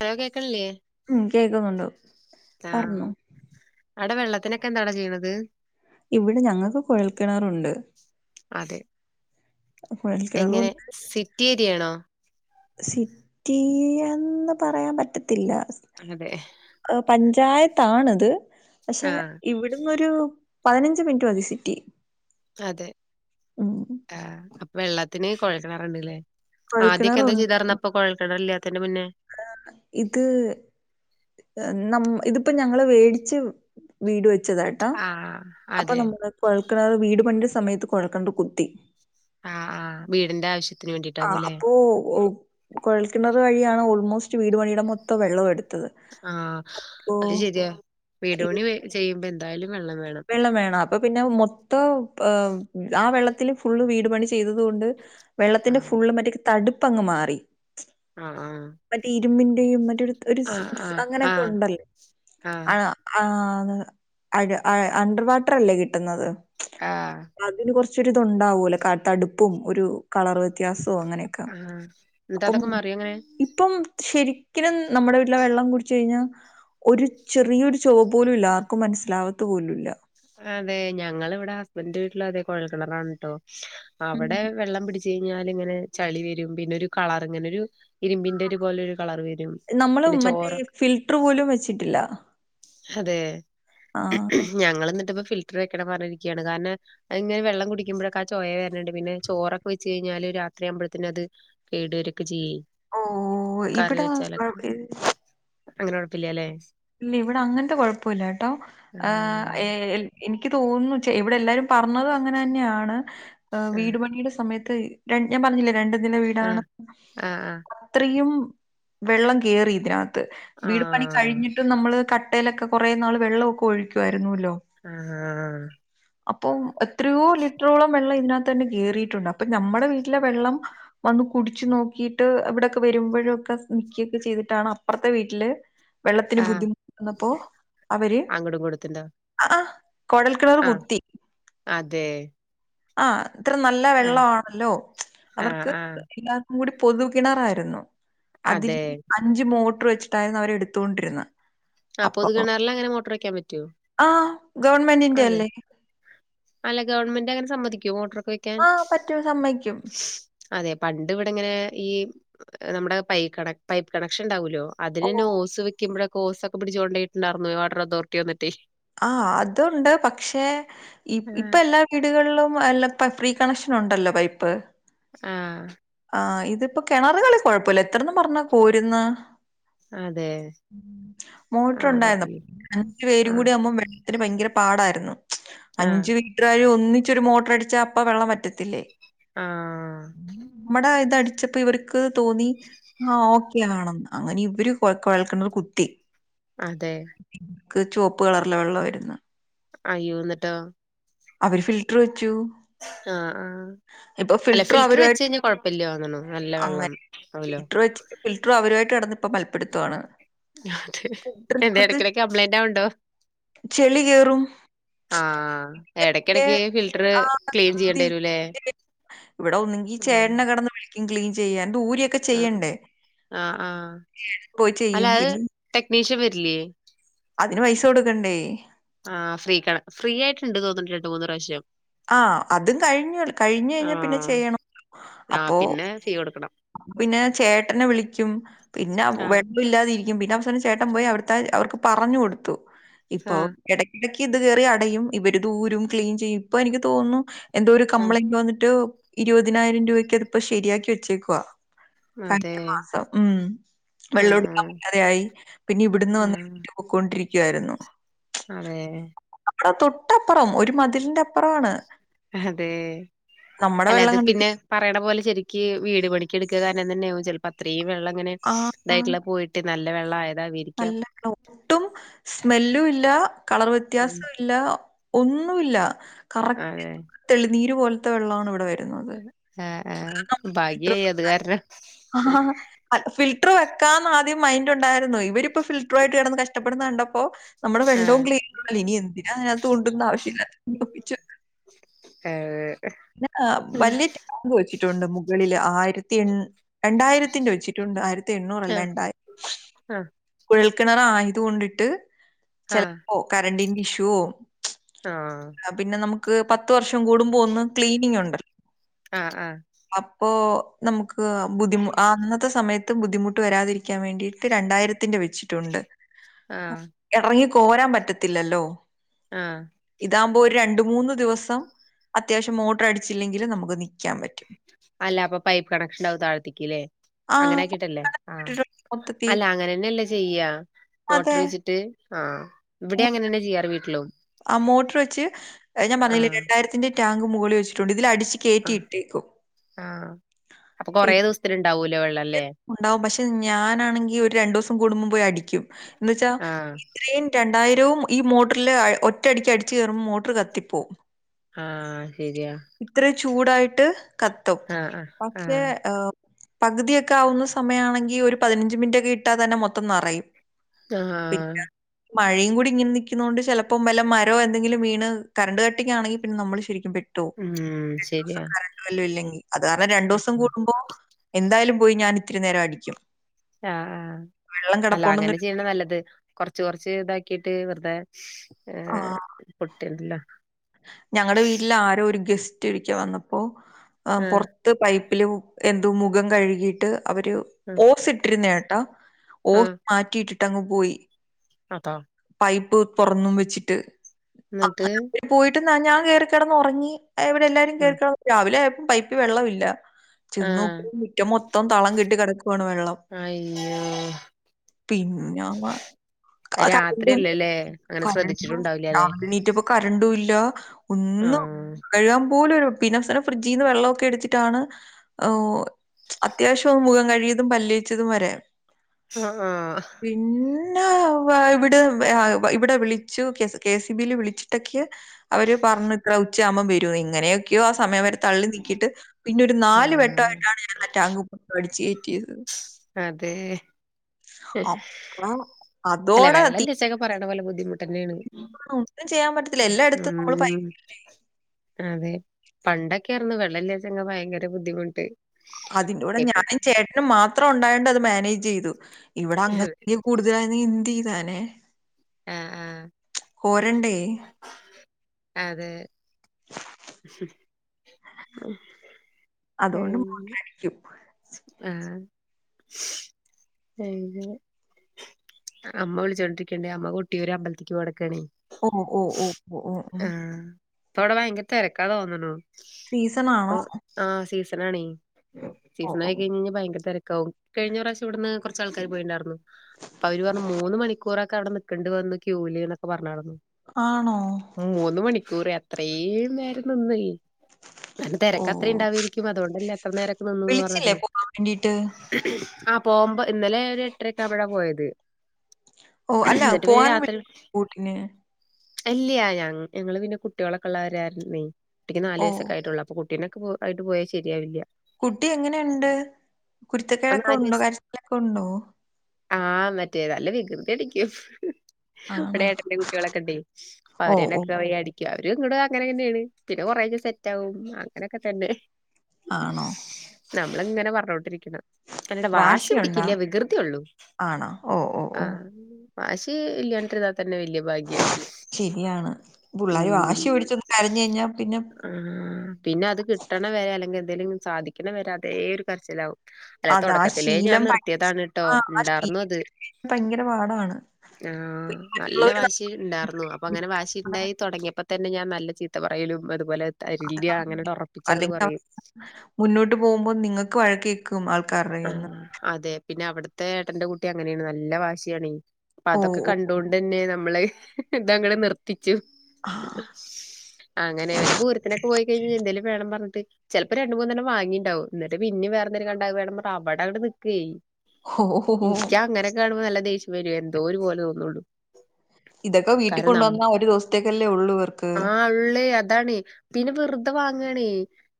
Hello കേക്കണില്ലേ ഉ കേക്കുന്നുണ്ടോ ആഹ് പറഞ്ഞു അവിടെ വെള്ളത്തിനൊക്കെ എന്താാണ് ചെയ്യണുന്നത് ഇവിടെ ഞങ്ങക്ക് കുഴൽക്കിണാറുണ്ട് അതെ എങ്ങനെ സിറ്റിയ ണ സിറ്റിന്ന് പറയാൻ പറ്റത്തി അതെ [unintelligible] ചായത്താണത് പക്ഷെ ആഹ് ഇവിടന്ന് ഒരു ഒരു പതിനഞ്ച് മിനിറ്റ് മതി സിറ്റി അതെ ഉം വെള്ളത്തിന് കുഴക്കണറുണ്ട്ല്ലേ ആദ്യൊക്കെ ന്താ ചെയ്താരുന്നു അപ്പൊ കൊഴൽ കിണറില്ല ആ ഇത് ഇതിപ്പോ ഞങ്ങള് വേടിച്ച് വീട് വെ ച്ചതാ ട്ടോ ആഹ് അപ്പൊ അതെ നമ്മള് കൊഴൽ കിണറ് വീട് പണിന്റെ സമയത്ത് കൊഴൽക്കിണറ് കുത്തി ആ ആ വീടിന്റെ ആവശ്യത്തി ആഹ് അപ്പൊ കുഴൽക്കിണറ് വഴിയാണ് ഓൾമോസ്റ്റ് വീട് പണിയുടെ മൊത്തം വെള്ളവും എടുത് ആഹ് അത് ശരിയാ വീട് ഈ പണി ചെയ്യുമ്പ എന്ത് ന്തായാലും വെള്ളം വേണം അപ്പൊ പിന്നെ മൊത് ത്തവും ആ വെള്ളത് ത്തില് ഫുള്ള് വീട് പണി ചെയ്തത് കൊണ്ട് വെള്ളത്തിന്റെ ആഹ് ഫുള്ള് മറ്റേ തടുപ്പങ്ങ് മാറി ആഹ് മറ്റേ ഇരുമ്പിന്റെയും മറ്റൊരു ഒരു ആഹ് ആഹ് അങ്ങനെയൊക്കെ ആഹ് ഉണ്ടല്ലോ ആഹ് ആഹ് അഹ് [unintelligible] അണ്ടർ വാട്ടറല്ലേ കിട്ടുന്നത് ആഹ് ച്ചൊരിത് ഉണ്ടാവുല്ലോ തടുപ്പും ഒരു കളറ് വ്യത്യാസ വും അങ്ങനെക്ക ആഹ് ആഹ് എന്നിട്ട് അപ്പം അതൊക്കെ മറിയോ അങ്ങനെ ഇപ്പം ശരിക്കലും നമ്മുടെ വീട്ടിലെ വെള്ളം കുടിച്ച് കഴിഞ്ഞാ ഒരു ചെറിയൊരു ചൊപ്പു പോലും ഇല്ലാ ആർക്കും മനസ്സിലാവ ത്തു പോലുല്ല അതെ ഞങ്ങള് വിടെ ഹസ്ബൻഡിന്റെ വീട്ടില് അതെ കോഴൽ കിണറാണ് ട്ടോ ഉം. അവടെ വെള്ളം പിടിച് ഞാല് ങ്ങനെ ചളി വരും പിന്നെ ഒരു കളർ ഇങ്ങനൊരു നമ്മൾ പിന്നെ മറ്റേ ചോറ് ഫിൽട്ടർ പോലും വെച്ചിട്ടില്ല അതെ ആഹ് ഞങ്ങൾ എന്ന്ട്ട്പ്പ ഫിൽറ്റർ വെക്കണം പറഞ്ഞിരിക്കാണ് കാരണം അങ്ങനെ വെള്ളം കുടിക്കുമ്പോഴൊക്കെ ആ ചോയ വര്ന്ണ്ട് പിന്നെ ചോറൊക്കെ വെച്ച് കഴിഞ്ഞാല് രാത്രിയാവമ്പഴത്തിന് അത് കേട്വരൊക്കെ ചെയ്യും ഓ ഇവിടെ അങ്ങനെ കുഴപ്പില്ലാല്ലെ ഇല്ല്യ ഇവിടെ അങ്ങൻത്തെ കൊഴല്ലല്യ ട്ടോ ആ ഏ എനിക്ക് തോന്നുന്നു ചെ ഇവിടെ എല്ലാരും പറഞ്ഞത് അങ്ങനെ തന്നെയാണ് ആ വീട് പണിയുടെ സമയത്ത് ണ്ട് ഞാൻ പറഞ്ഞില്ലേ രണ്ട് തിന്റെ ആ വീടാണ് ആ അത്രയും വെള്ളം കേറി ഇത് നാ ത് ആ ആ വീട് പണി കഴിഞ്ഞു നമ്മൾ കട്ടയിലൊക്കെ കുറേ നാൾ വെള്ളോക്കെ ഒഴുക്കായിരുന്നല്ലോ ആ അപ്പൊ എത്രയോ ലിറ്ററോളം വെള്ളം ഇതിനകത്ത് കേറീട്ടുണ്ട് അപ്പ നമ്മടെ വീട്ടിലെ വെള്ളം വന്ന് കുടിച്ചു നോക്കിട്ട് അവിടെൊക്കെ വരുമ്പോഴക്കെ കുടിക്കെ നൊക്കെ ചെയ്തിട്ടാണ് അപ്പുറത്തെ വീട്ടില് വെള്ളം ത്തിന് ആ ആ ബുദ്ധിമുട്ട് വന്നപ്പോ അവര് അങ്ങോട്ടും കൊടുത്തിണ്ടോ ആ കൊഴൽ കിണർ ആ കുത്തി അതെ ആ അത്ര നല്ല ആ വെള്ളാണല്ലോ ആഹ് അവർക്ക് ആഹ് കൂടി പൊതു കിണറായിരുന്നു അതിൽ അതെ. അഞ്ച് മോട്ടോർ മേട്ടർ വച്ചിട്ടായിരുന്നു അവരെടുത്തൊണ്ടിരുന്നത് ആ പൊതു കിണാറില് അങ്ങനെ മോട്ടോറ് വയ്ക്കാൻ പറ്റുവോ ഗവൺമെന്റിന്റെയല്ലേ അല്ല ഗവൺമെന്റ് അങ്ങനെ സമ്മതികുവൊ മോട്ടറ് വെക്കാൻ ആ പറ്റും സമ്മതിക്കും അതെ പണ്ട് ഇവിടെ ഇങ്ങനെ ഈ നമ്മുടെ പൈ ക പൈപ്പ് കണക്ഷൻ ഉണ്ടാവൂലോ ഓ അതിനന്നെ ഓസ് വെക്കുമ്പോഴ ഓസ് ഒക്കെ പിടിച്ചു കൊണ്ടൊയിട്ടിണ്ടായിരുന്നു വാട്ടർ അതോറിറ്റി വന്നിട്ടേ ആ അതുണ്ട്. പക്ഷേ ഇപ്പൊ ആഹ് എല്ലാ വീടുകളിലും അല്ല ഫ്രീ കണക്ഷൻ ഉണ്ടല്ലോ പൈപ്പ് ആഹ് ആ ഇതിപ്പോ കിണറുകളി കുഴപ്പമില്ല എത്രന്ന് പറഞ്ഞ കോരുന്ന അതെ. മോട്ടർ ആഹ് ഉണ്ടായിരുന്നു കുഴപ്പല്ല. അ പേരും ആഹ് കൂടി ആവുമ്പോം ത്തിന് ഭയങ്കര പാടായിരുന്നു ആഹ് അഞ്ച് വീട്ട്കാര് ഒന്നി ച്ചൊരു മോട്ടർ അടിച്ചാ അപ്പ വെള്ളം വറ്റത്തില്ലേ ആഹ് നമ്മുടെ ഇത് അടിച്ചപ്പോ ഇവർക്ക് തോന്നി ആ ഓക്കെ ആണന്ന് അങ്ങനെ ഇവര് കൊഴൽക്കിണറ് കുത്തി അതെ ചുവപ്പ് കളറിലെ വെള്ളവായിരുന്ന് അയ്യോ എന്നിട്ടോ അവര് ഫിൽട്ടർ വെച്ചു ആ ആ ഇപ്പൊ അല്ല ഫിൽറ്റർ വെച്ച് അവരുമായിട്ട് കഴിഞ്ഞാ കൊഴപ്പില്ലാ തോന്നണു നല്ല അങ്ങനെ വെള്ളം ആവുലോ ഫിൽറ്റർ വെച്ചിട്ട് ഫിൽറ്റർ അവരുമായിട്ട് കിടന്ന് ഇപ്പോ മൽപ്പിടത്തവാണ് അതെ എന്തേ എടക്കിടക്ക് കംപ്ലൈന്റ് ആവ്ണ്ടോ ചെളി കേറും. ആഹ് ഇടക്കിടക്ക് ഫിൽട്ടർ ക്ലീൻ ചെയ്യേണ്ടി വരൂല്ലേ ഇവിടെ ഒന്നെങ്കി ആഹ്. ചേട്ടനെ കിടന്ന് വിളി ക്കും ക്ലീൻ ചെയ്യാൻ ഇത് ഊരിയൊക്കെ ആഹ്. ചെയ്യണ്ടേ ആഹ് ആഹ്. പോയി ചെയ്യും പിന്നെ ഇല്ല്യേ അതിന് പൈസ കൊടുക്കണ്ടേ ആ ഫ്രീ കണ ഫ്രീ ആയിട്ട് ഇണ്ട് തോന്ന്ണ്ട് രണ്ട് മൂന്ന് പ്രാവശ്യം ആ അതും കഴിഞ്ഞു കഴിഞ്ഞു കഴിഞ്ഞാ പിന്നെ ആഹ്. ചെയ്യണം ആഹ് അപ്പൊ പിന്നെ ഫീ കൊടുക്കണം. അപ്പപിന്നെ ചേട്ടനെ വിളിക്കും പിന്നെ ആഹ് വെള്ളം ഇല്ലാതിരി ക്കും പിന്നെ അവസനം ചേട്ടൻ പോയി അവിടത്തെ അവർക്ക് പറഞ് കൊടുത്തു ഇപ്പൊ ആഹ് എട ടക്ക് ഇത് കേറി അടയും ഇവര് ഇദൂരും ക്ലീൻ ചെയ്യും ഇപ്പൊ എനിക്ക് തോന്നുന്നു എന്തോ ഒരു ആഹ്. കംപ്ലൈന്റ് വന്നിട്ട് ഇരുപതിനായിരം രൂപയ്ക്ക് അതിപ്പോ ശരിയാക്കി വച്ചേക്കു വ അതെ. കഴിഞ്ഞ മാസം ഉം ആഹ് വെള്ളടുക്കാൻ പറ്റാതെ ആയി. പിന്നെ ഇവിടുന്ന് വന്ന ആഹ്. [unintelligible] ക്കുവായിരുന്നു അതെ അ തൊട്ടപ്പുറം ഒരു മതിലിന്റെ അപ്പുറാണ് അതെ അല്ലത് വെള്ളം കണ്ടിട്ട് പിന്നെ പറയണ പോലെ ശരിക്ക് വീട് പണി എടുക്ക കാരണം തന്നെയാവും ചിലപ്പോ അത്രയും വെള്ളം അങ്ങനെ ആ ആ ഇതായിട്ടുള്ള പോയിട്ട് നല്ല വെള്ള ആ നല്ല ഒട്ടും സ്മെല്ലും ഇല്ല കളർ ഉം വ്യത്യാസവും ഇല്ല ഒന്നുല്ല കറക്റ്റ് തെളിനീര് പോലെ ത്തെ വെള്ള ഇവിടെ വരുന്നത്. ആഹ അത് ആഹ നമ്മള് ഫിൽറ്റർ ഭാഗ്യായി അത് കാരണം ഫിൽട്ടർ വെക്കാന്ന ആദ്യം മൈൻറ് ഉണ്ടായിരുന്നു ഇവരിപ്പോ ഫിൽട്ടർ ആയിട്ട് കിടന്ന് കഷ്ടപ്പെടുന്നത് കണ്ടപ്പോ നമ്മുടെ വെള്ളവും ആഹ് ക്ലീൻല്ല ഇനി എന്തിന അതിനകത്ത് കൊണ്ടന്ന് ആവശ്യമില്ലപ്പി ഏ പിന്ന വലിയ ടാങ്ക് വെച്ചിട്ടുണ്ട് മുകളില് ആയിരത്തി രണ്ടായിരത്തിന്റെ വെച്ചിട്ടുണ്ട് ആയിരത്തി എണ്ണൂറ അല്ല ആഹ് ഉണ്ടായി കുഴൽക്കിണറായത് കൊണ്ടിട്ട് ആഹ് ആഹ് ചിലപ്പോ കരണ്ടിന്റെ ഷു ആഹ പത്ത് വർഷം കൂടുമ്പോ ഒന്ന് ക്ലീനിഗ് ഉണ്ടല്ലോ ആഹ് ആഹ് ഇപ്പോ നമുക്ക് ക്ക്‌ ബുദ്ധിമു അന്നത്തെ സമയ ട്ടും ബുദ്ധിമുട്ട് വരാതിരിക്കാൻ വേണ്ടിട്ട് രണ്ടായിരത്തിന്റെ വെച്ചിട്ടുണ്ട് ആഹ് എറങ്ങി കോരാൻ പറ്റത്തില്ലല്ലോ ആഹ് ഇതാവുംമ്പോ ഒരു രണ്ട് മൂന്ന് ദിവസം അത്യാവശ്യം മോട്ടർ അടിച്ചില്ലെങ്കിൽ നമുക്ക് നിക്കാൻ പറ്റും അല്ല അപ്പൊ പൈപ്പ് കണക്ഷൻ ഇണ്ടാകും താഴ്ത്തേക്ക് ഇല്ലേ ആ! അങ്ങനെ ആക്കിട്ടല്ലേ ആ മൊത്തത്തി അല്ല അങ്ങനന്നെല്ലേ ചെയ്യാ മോട്ര് അതെ. വെച്ചിട്ട് ആഹ് ഇവിടെ അങ്ങനെ തന്നെ ചെയ്യാറ് വീട്ടിലും ആ മോട്ടർ വെച്ച് ഞാൻ പറഞ്ഞില്ലേ ആഹ് രണ്ടായിരത്തിന്റെ ടാങ്ക് മുകളിൽ വെിട്ടുണ്ട് ഇതിലടി ആഹ് കേറ്റിട്ടേക്കും ആഹ് അപ്പൊ കൊറേ ദിവസത്തിനുണ്ടാവും ഉണ്ടാവും പക്ഷെ ഞാനാണെങ്കി ഒരു രണ്ടുസം കൂടുമ്പോ പോയി അടിക്കും എന്ന് വെച്ചാ ആഹ് ഇത്രയും രണ്ടായി രവും ഈ മോട്ടറില് ഒറ്റടിക്ക് അടിച്ചു കേറുംമ്പോ മോട്ടർ കത്തിപ്പോം ആഹ് ശെരിയാ ചൂടായിട്ട് കത്തും പക്ഷെ ആ [unintelligible] പകുതിയൊക്കാകുന്ന സമയമാണെങ്കിൽ ഒരു പതിനഞ്ച് മിനിറ്റൊക്കെ ഇട്ടാതെന്നെ മൊത്തം നറയും ആഹ് മഴയും കൂടി ഇങ്ങനെ നിക്കുന്നോണ്ട് ചെലപ്പം വല്ല മരോ എന്തെങ്കിലും വീണ് കറണ്ട് കട്ടിങ്ങാണെങ്കി പിന്നെ നമ്മള് ശരിക്കും പെട്ട് റ്റൊ ഉം രണ്ടോസം ശരിയാ കറണ്ട് വല്ലോം ഇല്ലെങ്കിൽ അത് കാരണം രണ്ടോസം ആഹ് കൂടുമ്പോ എന്തായാലും പോയി ഞാൻ ഇത്തിരി നേരം അടിക്കും ആ ആഹ് വെള്ളം അല്ല അങ്ങനെ കിടപ്പുണ്ടെന്നൊരു ചെയ്യണ നല്ലത് കൊറച്ച് കൊറച്ച് ഇതാക്കിട്ട് വെറുതെ ഏഹ് ആഹ്. പുട്ടില്ലോ ഞങ്ങടെ വീട്ടില് ആരോ ഒരു ഗസ്റ്റ് കുറ്റി അടിക്കാൻ വന്നപ്പോ ആ ആഹ് പുറത്ത് പൈ ലു എന്തു മുഖം കഴുകിയിട്ട് അവർ ആഹ് ഓസ് ഇട്ടിരുന്നാണ് ട്ട ഓ മാറ്റിയെട് അങ്ങ്പോയി അത പൈപ്പ് തുറന്നു വെച്ചിട്ട്. എന്നിട്ട് അങ്ങനെ അവര് പോയിട്ട് ഞാൻ കേറി കിടന്നുറങ്ങി എവിടെ എല്ലാരും ആഹ് കേൾക്ക രാവിലെ പൈപ്പ് വെള്ളമില്ല. ആഹ് ചെന്നാക്കുമ്പോ മുറ്റം മൊത്തം തളം കെട്ടി കിടക്കുകയാണ് വെള്ളം. അയ്യോ പിന്നെ രാത്രിയല്ലല്ലേ അങ്ങനെ കറന്റ് ശ്രദ്ധിച്ചിട്ടുണ്ടാവില്ലല്ലേ രാവിലെ നീറ്റപ്പോ കറണ്ടില്ല. കരണ്ടും ഇല്ല ഒന്നും ആഹ് കൈകൻ പോലൊ ഒരു പിന്നെ ഫ്രിഡ്ജിൽ നിന്ന് വെള്ളം എടുത്തിട്ടാണ് ഔ അത്യാവ്യം മുഖം കഴിയതും. പല്ലു തേച്ചത് വരെ ആഹ ആ പിന്നെ ഇവിടെ ഇവിടെ വിളിച്ചു കെ സി ബിൽ വിളിച്ച [unintelligible] അവര് പറഞ്ഞു ഉച്ചാകുമ്പോ വരും ഇങ്ങന ോ ആ സമയം വരെ തള്ളി നീക്കിയിട്ട് പിന്നെ ഒരു നാല് ആഹ് വെട്ടമായിട്ടാണ് ഞാൻ ആ ടാങ്ക് ഫുള്ള് ആടി. േച്ച തിഹ് അതെ അക്രം അതോടെത്തി തന്നെയാണ് എല്ലായിടത്തും നമ്മള് പ മം അതെ പണ്ടൊക്കെ അയിരിന് വെള്ളല്ലച്ചങ്ങ ഭയങ്കര ബുദ്ധിമുട്ട്. അതിന്റെ കൂടെ ഇപ്പൊ ഞാനും ചേട്ടനും മാത്രം അത്ര ഉണ്ടായണ്ട് അത് മാനേജ് ചെയ്തു. ഇവിടെ അതെ അങ്ങത്തെ കൂടുതലായി എന്ത് ചെയും താനെ ആഹ് ആഹ് കോരണ്ടേ അതെ മ്മ് ആഹ അതുകൊണ്ട് മോട്ട നിക്കും അ അമ്മ വിളിച്ചോണ്ടിരിക്കണ്ടേ അമ്മ കുട്ടിയ ഒരുര് അമ്പലത്തേക്ക് കൊടക്കണേ ഓ ഓ ഓ ഓ ഓ ഉം. ആഹ തുട ഭാങ്കിരത്തെ വരക്കാതെ തോന്നണു അപ്പൊ സീസണാണോ? ആഹ സ ഇനണ ഓ, സീസണ ഓ. ആയി കഴിഞ്ഴിഞ്ഞാ ഭയങ്കര കഴിഞ്ഞ പ്ര്രാവശ്യം ഇവിടുന്ന് കുറച്ച് ആൾക്കാർ പോയിട്ടണ്ടായിരുന്നു അപ്പൊ അവര് പറഞ്ഞു മൂന്ന് മണിക്കൂറൊക്കെ അവിടെ നിിക്കക്കണ്ടണ്ട് വന്ന് ക്യൂല് എന്നൊക്കെ പറഞ്ഞായിരുന്നു ആണോ മൂന്ന് മണിക്കൂർ അത്രയും നേരം നിന്ന ന ഓ. തിരക്ക അത്ര ഉണ്ടാവരിക്കും അതുകൊണ്ടല്ലേ എത്ര നേരന്നന്ന് വിളിച്ചില്ലേ പറഞ്ഞത് പോവാൻ വേണ്ടീട്ട്? പോകുമ്പോ ഇന്നലെ ഒരു എട്ടരക്കാണ് അവിടൊ പോയത് ഓ അല്ല എന്നിട്ട് പോവാൻ വിള ഊട്ടിന് എല്ലയ ഞ ഞങ്ങള് പിന്നെ കുട്ടികളൊക്കെ ഉള്ളവരായിരുന്നേ കുട്ടിക്ക് നാല് ഓ. വയസക്കായിട്ടുള്ളെ കുട്ടിനൊക്കയിട്ട് പോയാൽ ശരിയാവില്ല കുട്ടി എങ്ങനെയുണ്ട് ആ കുരുത്തക്കേടൊക്കെ ഉണ്ടോ കരച്ചിലൊക്കെ ഉണ്ടോ ആഹ മറ്റേ നല്ല വികൃതി അടിക്കും ഇവിടെ ആണോ? ഏട്ടൻന്റെ കുട്ടികളൊക്കെ ഇണ്ട് ഓ, ഓ. അവരൊക്കെടിക്കും അവരും ഇങ്ങട് അങ്ങനെ എങ്ങനെയാണ് പിന്നെ കുറേ തെറ്റ് ആകും അങ്ങനെയൊക്കെ തന്നെ ആണോ നമ്മള ഇങ്ങനെ പറഞ്ഞോണ്ടിരി കടെ വാശ വാശിയുണ്ടോ? പിടിക്കില്ല വികൃതിയ ഉള്ളൂ ആണോ? ഓ, ഓ, ആ ഓ. വാഷി ഇല്ല [unintelligible] തന്നെ വലിയ ഭാഗ്യം ശരിയാണ് പുള്ളാര് ഉം വാശി പിടിച്ചൊന്ന് കരഞ്ഞു കഴിഞ്ഞാ പിന്നെ ആ പിന്നെ അത് കിട്ടണ വരെ അല്ലെങ്കിൽ എന്തെങ്കിലും സാധിക്കണ വരെ അതേ ഒരു കരച്ചിലാവും അല്ലെ അത് ആ തുടക്കത്തിലേ ഞാൻ ശീലം ഭയ നിർത്തിയതാണ് ട്ടോ ആ ആ ഇണ്ടാർന്ന ശീലം അത് ഭയങ്കര പാടാണ്. ആ പിന്നെ നല്ല മറ്റുള്ളവര് നമ്മ- വാശി ഇണ്ടാർന്നു അങ്ങനെ വാശിണ്ടായി തുടങ്ങിയപ്പോ ഇപ്പതന്നെ ഞാൻ നല്ല ചീത്ത പറയ്ലും അതുപോലെ തരില്ല അങ്ങനട് [inaudible] ഒറപ്പിച്ചങ്ങട് അല്ലെങ്കി പറയും മുന്നോട്ട് പോവുമ്പോ നിങ്ങക്ക് വഴ്ക്കേക്കും ആൾക്കാർകയിന്ന്- ആഹ് അതെ പിന്നെ അവിട്ത്തെ ഏട്ടന്റെ കുട്ടി അങ്ങനെയാണ് നല്ല വാശിയാണി- അപ്പ ഓ അതൊക്കെ ഓ ഓ കണ്ടോണ്ടന്നെ നമ്മളെ- അതങ്ങട് നിർത്തി- ആ [unintelligible] അങ്ങനെ വെല്ല പൂരത്തിനൊക്കെ പോയ്കൈഞ്ഞ് എന്തേലും വേണം പറഞ്ഞിട്ട്- ചെലപ്പം രണ്ട് മൂന്നെണ്ണം വാങ്ങീണ്ടാവു എന്നിട്ട് പിന്നെ വേറെന്തേരും കണ്ടാ വേണം പറ അവിടങ്ങട് നിക്കേയ്- ഓ ഓ ഓ എന്ക്ക അങ്ങനക്ക കാണുമ്പോ നല്ല ദേഷ് വരൂ എന്തോ ഒരു പോലെ തോന്നുള്ളൂ- ഇതൊക്കെ വീട്ടിൽ കാര്ണം നം കൊണ്ടുവന്നാ ഒരു ദിവസത്തേക്കല്ലേ ഉള്ളൂ ഇവർക്ക്. ആ ഉള്ളേ അതാണെ പിന്നെ വെറ്തെ വാ ങ്ങാണെ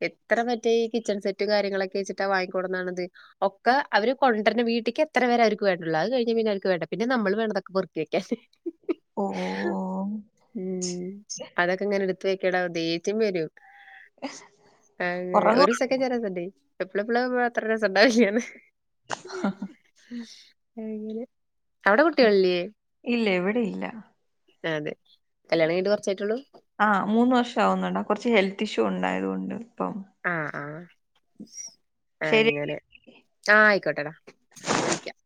എത്ര മറ്റേ ഈ കിച്ചൺ സെറ്റും കാര്യങ്ങളെക്കെ വെച്ചിട്ടാ വാങ്ങിക്കൂടനാണ്ത് ഒക്കെ അവര് കൊണ്ടര്ണ വീട്ടിക്ക് എത്രേവരെ അവര്ക്ക് വേണ്ടുള്ളൂ അത് കൈഞ് പിന്നെ അവർക്ക് വേണ്ട പിന്നെ നമ്മള് വേണഇതൊക്കെ പെറ്ക്കി വെയ്ക്കാൻ- ഓ ഓ ഓ ഉം അതൊക്കിങ്ങനെ എടു [unintelligible] വെക്കടാ ദേച്യം വരും അങ്ങ ഉറങ്ങുവ ഒരു സെക്കന്ഡ് വരാ [unintelligible] എപ്പ്ളെപ്പ്ളും അത്ര രെസൊണ്ടായില്ലാന് [inaudible] അവ്ടെ കുട്ടികളില്ലെ ഇല്ല ഇവിടെയില്ല അതെ അതെ കല്യാണം കൈഞ്ഞിട്ട് കൊറ്ച്ചായ്ട്ടുള്ളൂ ആ മൂന്ന് വർഷാവുന്നട കൊറ്ച്ച് ഹെൽത്തിഷ്യൂ ഉണ്ടായത് കൊണ്ട് ഇപ്പം ആ ആ ശരി. അങ്ങനെ ആ ആയ്ക്കോട്ടടാ വിളിക്കാം